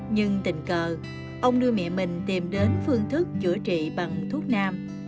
nhưng tình cờ ông đưa mẹ mình tìm đến phương thức chữa trị bằng thuốc nam